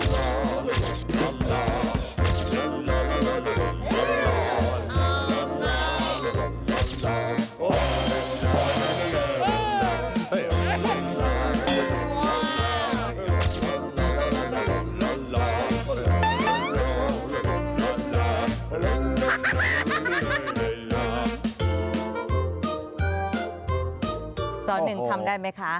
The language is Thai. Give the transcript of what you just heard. สหนึ่งทำได้ไหมคะ